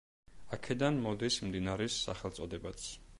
აქედან მოდის მდინარის სახელწოდებაც.